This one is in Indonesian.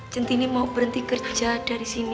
centini mau berhenti kerja dari sini